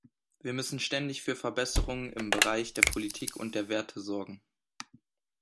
Wir müssen ständig für Verbesserungen im Bereich der Politik und der Werte sorgen.